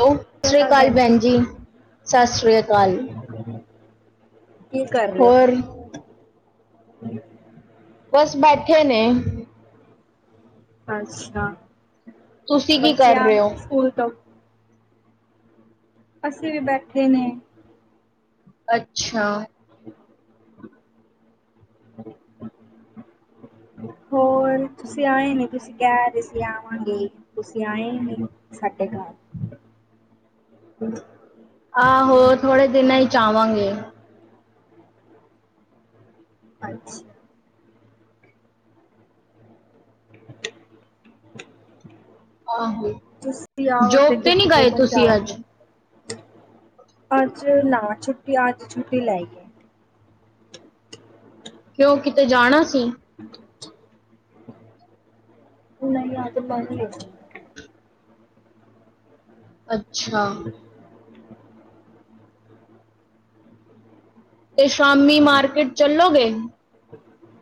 Hello ਸਤਿ ਸ਼੍ਰੀ ਅਕਾਲ ਸਾਸਰੀਆਕਾਲ ਭੈਣ ਜੀ, ਸਾਸਰੀਆਕਾਲ। ਕੀ ਕਰ ਰਹੇ ਓ? ਹੋਰ ਬਸ ਬੈਠੇ ਨੇ ਅੱਛਾ ਤੁਸੀਂ ਕੀ ਬੱਚੇ ਕਰ ਰਹੇ ਹੋ ਆਗੇ ਸਕੂਲ ਤੋਂ? ਅਸੀਂ ਵੀ ਬੈਠੇ ਨੇ। ਅੱਛਾ। [inaudible] [inaudible] ਹੋਰ ਤੁਸੀਂ ਆਏ ਨਹੀਂ, ਤੁਸੀਂ ਕਹਿ ਰਹੇ ਸੀ ਆਵਾਂਗੇ, ਤੁਸੀਂ ਆਏ ਨਹੀਂ। ਸਾਡੇ ਘਰ। ਆਹੋ ਥੋੜੇ ਦਿਨਾਂ ਚ ਆਵਾਂਗੇ। ਅੱਛਾ। [inaudible] ਆਹੋ। ਤੁਸੀਂ ਆਓ ਤੇ ਜੋਬ ਫੇਰ ਨਹੀਂ ਕੀ ਗਏ ਹੋਟਲ ਤੁਸੀਂ ਜਾਵਾਂਗੇ। ਅੱਜ ਅੱਜ ਨਾ ਛੁੱਟੀ ਅੱਜ ਛੁੱਟੀ ਲੈਈ ਏ। ਕਿਉਂ ਕਿਤੇ ਜਾਣਾ ਸੀ? [inaudible] ਨਹੀਂ ਆਜ ਬੰਦ ਹੈਗੀ। ਅੱਛਾ। [inaudible] ਤੇ ਸ਼ਾਮੀ ਮਾਰਕੀਟ ਚੱਲੋਗੇ?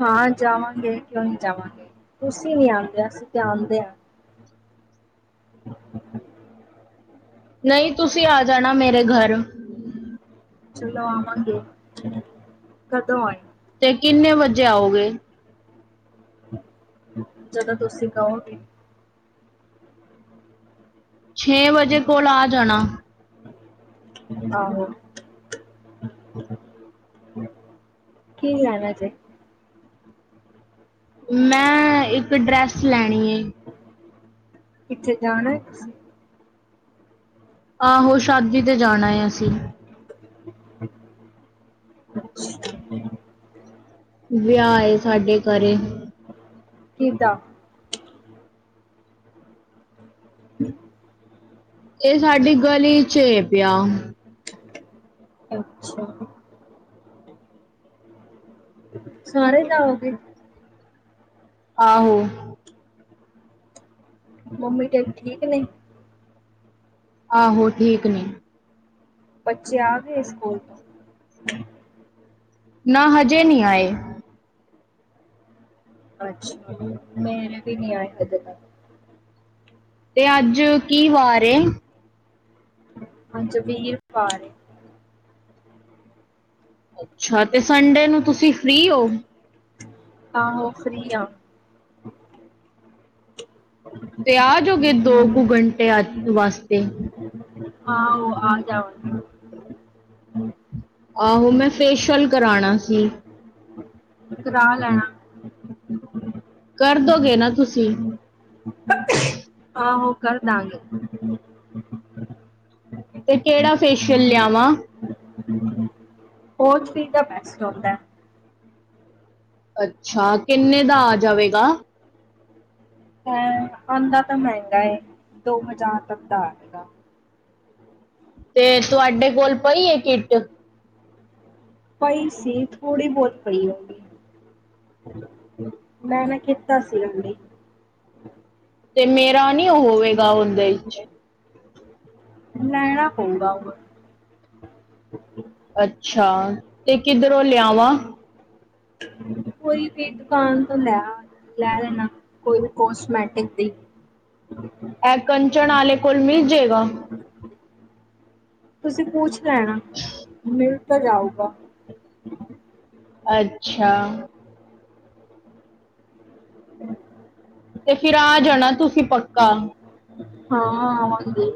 ਹਾਂ ਜਾਵਾਂਗੇ ਕਿਉਂ ਨਹੀਂ ਜਾਵਾਂਗੇ, ਤੁਸੀਂ ਨੀ ਆਉਂਦੇ ਅਸੀਂ ਤੇ ਆਉਂਦੇ ਆ। [inaudible] ਨਹੀਂ ਤੁਸੀਂ ਆ ਜਾਣਾ ਮੇਰੇ ਘਰ। ਚਲੋ ਆਵਾਂਗੇ, ਕਦੋਂ ਆਏ? ਤੇ ਕਿੰਨੇ ਵਜੇ ਆਉਗੇ? ਜਦੋਂ ਤੁਸੀਂ ਕਓਗੇ। ਛੇ ਵਜੇ ਕੋਲ ਆ ਜਾਣਾ। ਆਹੋ ਕੀ ਲੈਣਾ ਜੇ ਮੈਂ ਇੱਕ ਡਰੈਸ ਲੈਣੀ ਏ। ਕਿਤੇ ਜਾਣਾ ਤੁਸੀਂ? ਆਹੋ, ਸ਼ਾਦੀ ਤੇ ਜਾਣਾ ਐ ਅਸੀਂ। ਅੱਛਿਆ। ਵਿਆਹ ਏ ਸਾਡੇ ਘਰੇ ਕਿਦਾ? [inaudible] ਇਹ ਸਾਡੀ ਗਲੀ ਚ ਏ ਵਿਆਹ। ਅੱਛਾ। ਸਾਰੇ ਜਾਓਗੇ? ਆਹੋ ਮੰਮੀ ਤੇਰੀ ਠੀਕ ਨੇ? ਆਹੋ, ਠੀਕ ਨੇ। ਬੱਚੇ ਆ ਗਏ ਸਕੂਲ ਤੋਂ ਨਾ ਹਜੇ ਨੀ ਆਏ। ਅੱਛਾ, ਮੇਰੇ ਵੀ ਨੀ ਆਏ ਹਜੇ ਤੱਕ। ਤੇ ਅੱਜ ਕੀ ਵਾਰ ਏ? ਅੱਜ ਵੀਰਵਾਰ ਏ। ਅੱਛਾ, ਤੇ ਸੰਨਡੇ ਨੂੰ ਤੁਸੀਂ ਫ੍ਰਰੀ ਓ? ਆਹੋ ਫਰੀ ਆ। ਤੇ ਆ ਜੋੋਗੇ ਦੋ ਕੁ ਘੰਟਿਆਂ ਵਾਸਤੇ? ਆਹੋ ਆ ਜਾਂਵਾਗੀ। ਆਹੋ ਮੈਂ ਫੇਸ਼ਅਲ ਕਰਾਣਾ ਸੀ। ਕਰਾ ਲੈਣਾ। ਕਰਦੋਗੇ ਨਾ ਤੁਸੀਂ? [unintelligible] ਆਹੋ ਕਰਦਾਾਂਗੇ। [unintelligible] ਤੇ ਕਿਹੜਾ ਫੇਸ਼ੀਅਲ ਲਿਆਵਾਂ? ਓ-ਥਰੀ ਦਾ ਬੈਸਟ ਹੁੰਂਦੈ। ਅੱਛਾ, ਕਿੰਨੇ ਦਾ ਆ ਜਾਵੇਗਾ? ਹੈਂ ਆਉਂਦਾ ਤਾਂ ਮਹਿੰਗਾ ਏ, ਦੋ-ਹਜ਼ਾਰ ਤੱਕ ਦਾ ਆਜੇਗਾ। ਤੇ ਤੁਹਾਡੇ ਕੋਲ ਪਈ ਏ ਕਿੱਟ? ਪਈ ਸੀ, ਥੋੜ੍ਹੀ-ਬਹੁਤ ਪਈ ਹੋਣੀ ਐ। ਮੈਂ ਨਾ ਕੀਤਾ ਸੀਗਾ ਹੁਣੀ ਤੇ ਮੇਰਾ ਨਈਓ ਹੋਵੇਗਾ ਉਹਦੇ ਵਿਚ ਲੈਣਾ ਪਊਗਾ ਹੋਰ ਅੱਛਾ, ਤੇ ਕਿੱਧਰੋਂ ਲਿਆਵਾਂ? ਕੋਈ ਵੀ ਦੁਕਾਨ ਤੋਂ ਲੈ ਆ। ਲੈ ਲੈਣਾ, ਕੋਈ ਵੀ ਕੋਸਟਮੈਟਿਕ ਦੀ ਐ ਕੰਚਣ ਆਲੇ ਕੋਲ ਮਿਲ ਜੇਗਾ? ਤੁਸੀਂ ਪੁੂਛ ਲੈਣਾ, ਮਿਲ ਤਾਂ ਜਾਊਗਾ। ਅੱਛਾ। ਤੇ ਫੀਰ ਆ ਜਾਣਾ ਤੁਸੀਂ ਪੱਕਾ। ਹਾਂ ਆਵਾਂਗੀ।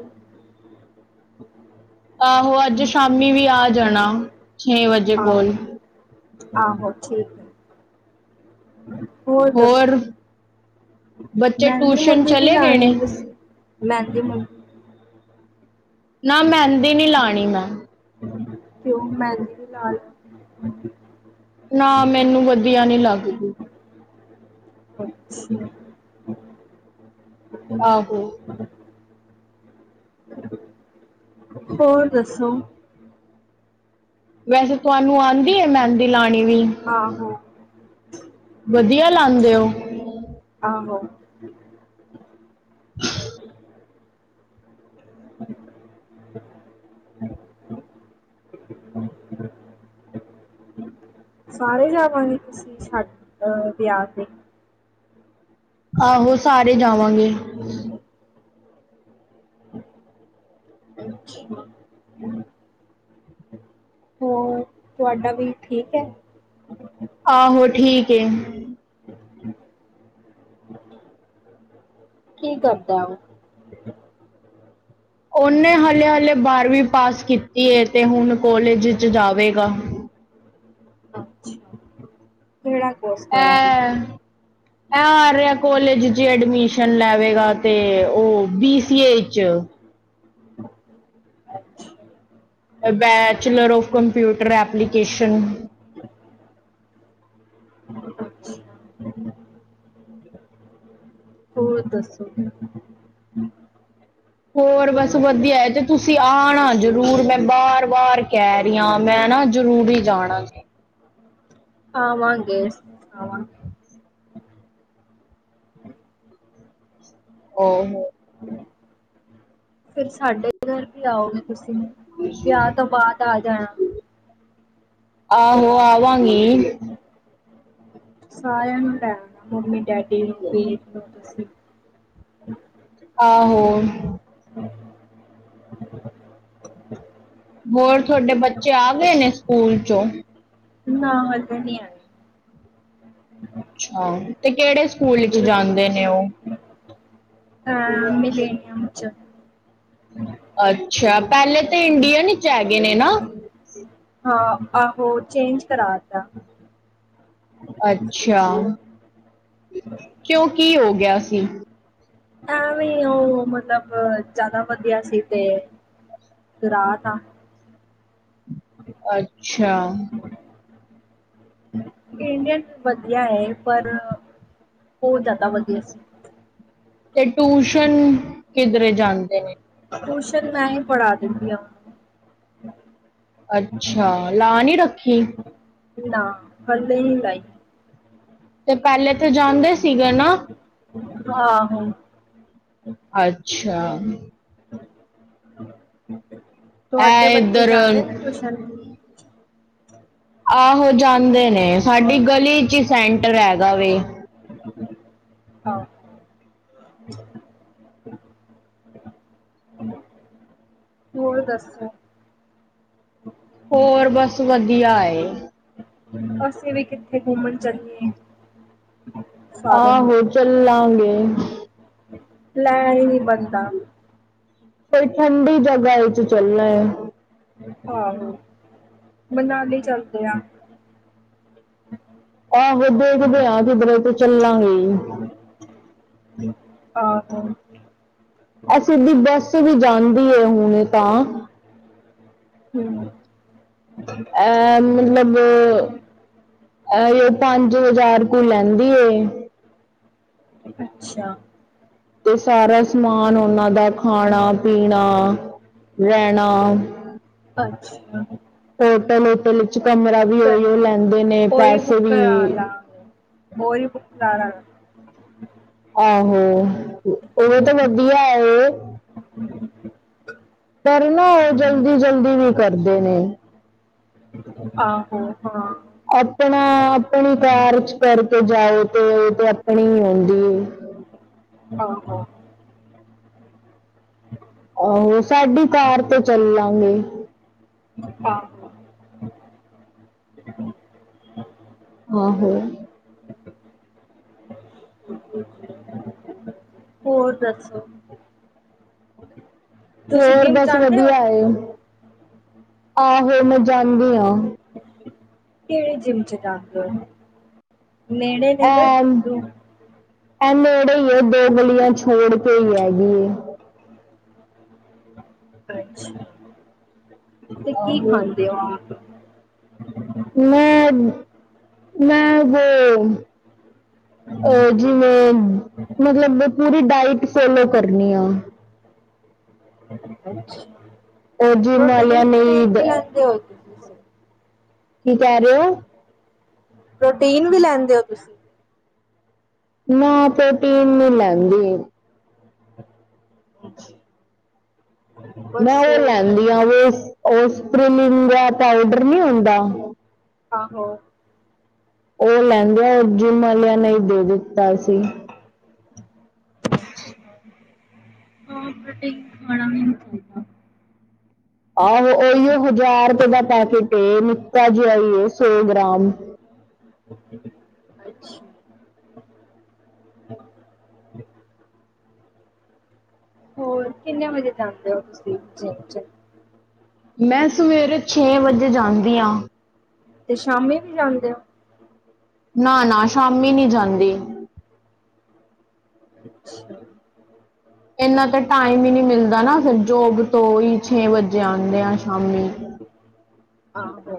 ਆਹੋ ਅੱਜ ਸ਼ਾਮੀ ਵੀ ਆ ਜਾਣਾ, ਛੇ ਵਜੇ ਆਹੋ ਕੋਲ। ਆਹੋ ਠੀਕ ਹੈ ਹੋਰ ਦੱਸੋ? ਬੱਚੇ ਟਿਊਸ਼ਨ ਮੈਂਦੀ-ਮੂੰਦੀ ਵੀ ਚਲੇ ਗਏ ਨੇ ਲਾਣੀ ਤੁਸੀਂ ਮੈਂਦੀ-ਮੂੰਦੀ ਨਾ ਮੈਂਦੀ ਨੀ ਲਾਣੀ ਮੈਂ ਕਿਉਂ ਮੈਂਦੀ ਲਾ ਲੋ [unintelligible] ਨਾ, ਮੈਨੂੰ ਵਧੀਆ ਨੀ ਲਾਗਦੀ। ਅੱਛਾ। ਆਹੋ ਹੋਰ ਦੱਸੋ? ਵੈਸੇ ਤੁਆਨੂੰ ਆਂਦੀ ਏ, ਮੈਂਦੀ ਲਾਣੀ ਵੀ? ਆਹੋ ਬਧੀਆ ਲਾਂਦੇ ਓ? ਆਹੋ। ਹਮ। [unintelligible] ਹ। ਸਾਰੇ ਜਾਵਾਂਗੇ, ਤੁਸੀਂ ਛੱਡ ਅਹ ਵਿਆਹ ਤੇ? ਆਹੋ, ਸਾਰੇ ਜਾਵਾਂਗੇ। ਅੱਛਾ। ਹੋਰ, ਤੁਆਡਾ ਵੀ ਠੀਕ ਐ? ਹਮ। ਆਹੋ, ਠੀਕ ਏ। ਕੀ ਕਰਦਾ ਓ ਓਨੇ ਹਾਲੇ-ਹਲੇ ਬਾਰਵੀਂ ਪਾਸ ਕੀਤੀ ਏ ਤੇ ਹੁਣ ਕੋਲਜ 'ਚ ਜਾਵੇਗਾ। ਅੱਛਾ, ਕੇੜਾ ਕੋਸ ਕਰਨਗੇ? ਆ ਰਿਆ ਕੋਲਜ 'ਚ ਐਡਮਿਸ਼ਨ ਲੈਵੇਗਾ 'ਤੇ ਓ ਬੀਸੀਏ 'ਚ ਅੱਛਾ। Bachelor of computer application. ਅੱਛਾ ਹੋਰ ਦੱਸੋ? ਹੋਰ ਬਸ ਵਧੀਆ ਏ ਤੇ ਤੁਸੀਂ ਆਣਾ ਜਰੂਰ ਮੈਂ ਬਾਰ-ਬਾਰ ਕੈ ਕੈ ਰੀ ਆਂ, ਮੈਂ ਨਾ ਜ਼ਰੂਰੀ ਜਾਣਾ ਸੀ। ਆਵਾਂਗੇ-ਆਵਾਂ ਉਹ ਫੇਰ ਸਾਡੇ ਗਰ ਵੀ ਆਓਗੇ ਤੁਸੀਂ ਵਿਆ ਤੋਂ ਬਾਅਦ ਆ ਜਾਣਾ। ਆਹੋ ਆਵਾਂਗੀ। ਸਾਰਿਆਂ ਨੂੰ ਲੈ ਔਣਾ ਮੰਮੀ-ਡੈਡੀ ਨੂੰ ਵੀਰ ਨੂੰ ਤੁਸੀਂ ਆਹੋ। ਹੋਰ ਤੁਆਡੇ ਬੱਚੇ ਆ ਗਏ ਨੇ ਸਕੂਲ ਚੋਂ ਨਾ, ਹਜੇ ਨੀ ਆਏ। ਅੱਛਾ, ਤੇ ਕੇੜੇ ਸਕੂਲ ਈਚ ਜਾਂਦੇ ਨੇ ਓ ਹਾਂ, ਮਲੇਲੀਅਮ 'ਚ। ਅੱਛਾ, ਪੈਲੇ ਤਾਂ ਇੰਡੀਅਨ ਚ ਐਗੇ ਨੇ ਨਾ ਹਾਂ, ਆਹੋ ਚੇਜ ਕਰਾਤਾ ਅੱਛਾ। [unintelligible] ਕੇਓ ਕੀ ਹੋ ਗੇਆ ਸੀ? ਐਂਵੇ ਓ ਮਤਲਬ ਅ ਜਾਦਾ ਵਧੀਆ ਸੀ ਤੇ ਗਰਾ ਤਾ [inaudible] ਅੱਛਾ। [inaudible] ਇੰਡੀਅਨ ਵਧੀਆ ਐ ਪਰ, ਓ ਜਾਦਾ ਵਧੀਆ ਸੀ। ਤੇ ਟੂਸ਼ਨ ਕਿਧਰੇ ਜਾਂਦੇ ਨੇ ਟੂਸ਼ਨ ਮੈਂ ਈ ਪੜਾ ਦਿੰਦੀ ਆ [inaudible] ਅੱਛਾ, ਲਾ ਨੀ ਰੱਖੀ ਨਾ, ਪਲੇਈ ਨੀ ਲਾਈ ਤੇ ਪੈਲੇ ਤੇ ਜਾਂਦੇ ਸੀਗੇ ਨਾ ਆਹੋ। ਅੱਛਾ। ਤੋਆਡੇ ਐ ਬੱਚੇ ਇੱਧਰ ਜਾਂਦੇ ਨੇ ਟਿਊਸ਼ਨ? ਆਹੋ ਜਾਂਦੇ ਨੇ ਸਾਡੀ ਗਲੀ ਚ ਈ ਸੈਂਟਰ ਹੈਗਾ ਵੇ [inaudible] ਹਾਂ। ਹੋਰ ਦੱਸੋ। ਹੋਰ ਬਸ ਵਧੀਆਂ ਏ ਅਸੀਂ ਵੀ ਕਿੱਥੇ ਘੁੰਮਣ ਚੱਲੀਏ ਸਾਰੇ ਨੂੰ ਆਹੋ ਚਲਾਂਗੇ ਪਲੈਨ ਈ ਨੀ ਬਣਦਾ ਕੋਈ ਪੁਡੀ ਜਗਾ ਵਿੱਚ ਚੱਲਣਾ ਏ ਆਹੋ, ਮਨਾਲੀ ਚੱਲਦੇ ਆ ਆਹੋ ਦੇਖਦੇ ਆ ਕਿੱਧਰੇ ਤੇ ਚੱਲਾਂਗੇ ਈ‌। ਆਹੋ। ਅਸੀਂ ਵੀ ਬੱਸ ਵੀ ਜਾਂਦੀ ਏ ਹੁਣੇ ਤਾਂ ਹੂੰ [inaudible] ਐ ਮਲਬ ਅ ਐਵੇ ਪੰਜ ਹਜ਼ਾਰ ਕੋ ਲੈਂਦੀ ਏ ਅੱਛਾ। ਤੇ ਸਾਰਾ ਸਮਾਨ ਓਨਾਂ ਦਾ ਖਾਣਾ-ਪੀਣਾ, ਰੈਣਾ ਅੱਛਾ। ਹੋਟਲ [unintelligible] ਲਿੱਚ ਕਮਰਾ ਵੀ ਫਿਰ ਓਈਓ ਲੈਂਦੇ ਨੇ ਪੈਸੇ ਵੀ ਵੋਈ ਭੁੱਖ ਲਾਰਾ ਵੈ ਆਹੋ, ਏਵੇ ਤੇ ਵਧੀਆ ਏ ਕਰਨਾ ਏ ਜਲਦੀ-ਜਲਦੀ ਵੀ ਕਰਦੇ ਨੇ ਆਹੋ ਹਾਂ ਅਪਣਾ, ਅਪਣੀ ਕਾਰ ਵਿੱਚ ਕਰਕੇ ਜਾਓ ਤੇ, ਤੇ ਆਪਣੀ ਹੁੰਦੀ ਏ। ਆਹੋ। [inaudible] ਆਹੋ, ਸਾਡੀ ਤਾਰ ਤੇ ਚੱਲਾਂਗੇ। ਆਹੋ। ਆਹੋ। ਹੋਰ ਦੱਸੋ? ਤੁਸੀਂ ਹੋਰ, ਜਿੰਮ ਬਸ ਜਾਂਦੇ ਹੋ ਵਧੀਆ ਏ ਆਹੋ, ਮੈਂ ਜਾਂਦੀ ਆਂ ਕੇੜੇ ਜਿੰਮ 'ਚ ਜਾਂਦੇ ਓ, ਨੇੜੇ ਦੇ ਯਾ ਐਮ ਦੂਰ? ਐ ਨੇੜੇ ਈ ਏ, ਦੋ ਗਲੀਆਂ ਛੋੜ ਕੇ ਈ ਹੈਗੀ ਏ। ਅੱਛਾ ਤੇ ਕੀ ਆਹੋ ਖਾਂਦੇ ਓ ਆਪ? ਮੈਂ, ਮੈਂ ਵੋ ਓ, ਜਿਵੇਂ ਮਤਲਬ ਪੂਰੀ ਡਾਈਟ ਫੋਲੋ ਕਰਨੀ ਆ। ਅੱਛਾ, ਉਹ ਜਿਮ ਵਾਲਿਆਂ ਨੇ ਹੀ ਪ੍ਰੋਟੀਨ-ਪ੍ਰੋਟੀਨ ਵੀ ਦ- ਲੈਂਦੇ ਓ? ਕੀ ਕੇਹ ਰਏ ਓ? ਪ੍ਰੋਟੀਨ ਵੀ ਲੈਂਦੇ ਓ ਤੁਸੀ? ਨਾ, ਪ੍ਰੋਟੀਨ ਨੀ ਲੈਂਦੀ। ਅੱਛਾ। ਮੈਂ ਓ ਲੈਂਦੀ ਆਂ ਓਟਸ [unintelligible] ਪਾਊਡਰ ਨੀਂ ਹੁੰਦਾ। ਆਹੋ। ਓ ਲੈਂਦੇ ਆਂ ਜਿੰਮ ਆਲੇਆਂ ਨੇ ਈ ਦੇ ਦਿੱਤਾ ਸੀ। [unintelligible] ਪ੍ਰੋਟੀਨ ਖਾਣਾ ਵੀ ਨੀਂ ਚਾਈਦਾ। ਆਹੋ, ਉਈਓ ਹਜਾਰ ਰੁਪਏ ਦਾ ਪੈਕੇਟ ਏ ਨਿੱਕਾ ਜੇਆ ਈ ਏ ਸੌ ਗ੍ਰਾਮ [inaudible] ਅੱਛਾ। ਹੋਰ ਕਿੰਨੇ ਵਜੇ ਜਾਂਦੇ ਓ ਤੁਸੀ ਜਿੰਮ 'ਚ? ਮੈਂ ਸਵੇਰੇ ਛੇ ਵਜੇ ਜਾਂਦੀ ਆਂ। ਤੇ ਸ਼ਾਮੀ ਵੀ ਜਾਂਦੇ ਓ? ਨਾ-ਨਾ ਸ਼ਾਮੀ ਨੀਂ ਜਾਂਦੀ। [inaudible] ਏਨਾ ਤਾਂ ਟਾਈਮ ਵੀ ਨੀਂ ਮਿਲਦਾ ਨਾ, ਫਿਰ ਜੋਬ ਤੋਂ ਓਈ ਛੇ ਵਜੇ ਆਂਦੇ ਆਂ ਸ਼ਾਮੀ। ਆਹੋ।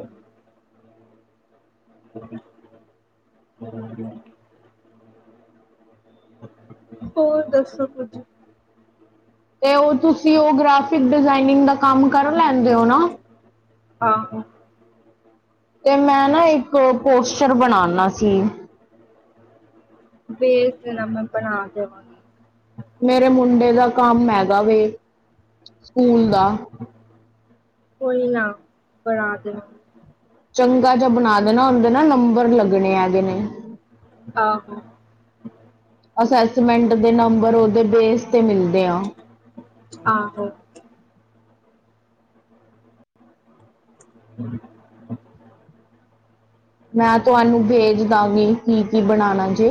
[unintelligible] ਹੋਰ ਦੱਸੋ ਕੁੱਜ? ਤੇ ਓ ਤੁਸੀਂ ਓ ਗ੍ਰਾਫਿਕ ਡਿਜ਼ਾਏਨਿੰਗ ਦਾ ਕੰਮ ਕਰ ਲੈਂਦੇ ਓ ਨਾ? ਹਾਂ ਤੇ ਮੈਂ ਨਾ ਇੱਕ ਓ ਪੋਸਚਰ ਬਨਾਨਾ ਸੀ। ਬੇਜ਼ ਦੇਨਾ ਮੈਂ ਬਣਾ ਦੇਵਾਂਗੀ। ਮੇਰੇ ਮੁੰਡੇ ਦਾ ਕੰਮ ਹੈਗਾ ਵੇ, ਸਕੂਲ ਦਾ। ਕੋਈ ਨਾ ਬਣਾ ਦੇਵਾਂ ਚੰਗਾ ਜੇਆ ਬਨਾ ਦੇਨਾ, ਓਦੇ ਨਾ ਨੰਬਰ ਵੀ ਲੱਗਨੇ ਹੈਗੇ ਨੇ। ਆਹੋ। ਅਸੈਸਮੈਂਟ ਦੇ ਨੰਬਰ ਓਦੇ ਬੇਸ ਤੇ ਮਿਲਦੇ ਆਂ। ਆਹੋ। [inaudible] ਮੈਂ ਤੁਆਨੂੰ ਬੇਜ ਦਾਂਗੀ ਕੀ-ਕੀ ਬਣਾਣਾ ਜੀ।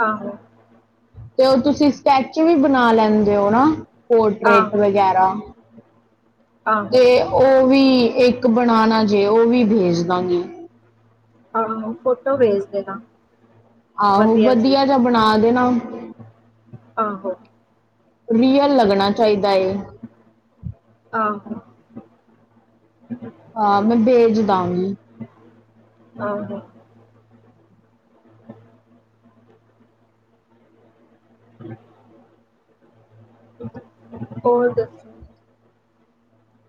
ਆਹੋ। ਤੇ ਓ ਤੁਸੀ ਸਕੈਚ ਵੀ ਬਨਾ ਲੈਂ ਪੀਂਦੇ ਹੋ ਨਾ ਪੋਰਟਰੇਟ ਆਹੋ, ਵਗੈਰਾ, ਆਹੋ, ਤੇ ਓ ਵੀ ਇੱਕ ਬਣਾਣਾ ਜੇ ਉਹ ਵੀ ਬੇਜ ਦਾਂਗੀ। ਹਾਂ ਫੋਟੋ ਭੇਜ ਦੇਣਾ। ਆਹੋ ਵਧੀਆ ਜਹਾ ਬਣਾ ਦੇਣਾ। ਆਹੋ, ਰੀਅਲ ਲੱਗਣਾ ਚਾਹੀਦਾ ਏ। ਆਹੋ। ਹਾਂ ਮੈਂ ਬੇਜ ਦਾਗੀ। ਆਹੋ। [unintelligible] ਹੋਰ ਦੱਸੋ?